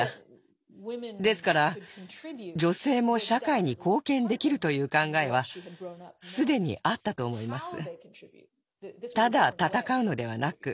ですから女性も社会に貢献できるという考えは既にあったと思います。